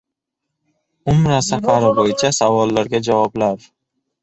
Umra safari bo‘yicha savollarga javoblar